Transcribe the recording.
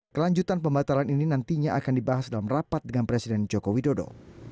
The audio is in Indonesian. kelanjutan pembatalan ini nantinya akan dibahas dalam rapat dengan presiden joko widodo